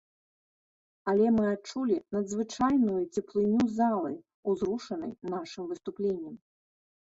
Але мы адчулі надзвычайную цеплыню залы, узрушанай нашым выступленнем.